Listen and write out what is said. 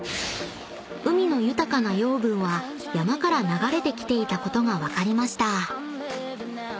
［海の豊かな養分は山から流れてきていたことが分かりました］